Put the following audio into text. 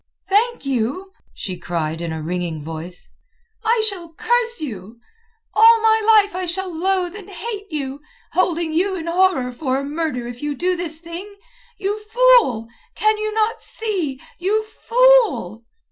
"Thank you?" she cried in a ringing voice. "I shall curse you. All my life I shall loathe and hate you, holding you in horror for a murderer if you do this thing. You fool! Can you not see? You fool!"